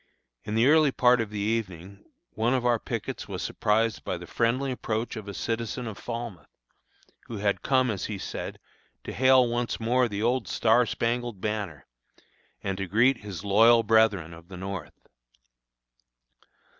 In the early part of the evening one of our pickets was surprised by the friendly approach of a citizen of Falmouth, who had come, as he said, "to hail once more the 'old star spangled banner,' and to greet his loyal brethren of the North."